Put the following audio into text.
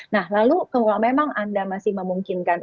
nah lalu kalau memang anda masih memungkinkan